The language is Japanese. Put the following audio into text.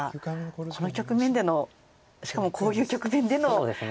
この局面でのしかもこういう局面での７０％は。